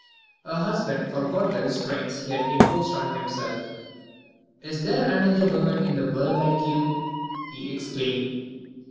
Her husband forgot the restraints he had imposed on himself. "Is there another woman in the world like you!" he exclaimed.